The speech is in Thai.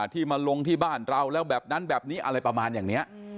ที่มาลงที่บ้านเราแล้วแบบนั้นแบบนี้อะไรประมาณอย่างนี้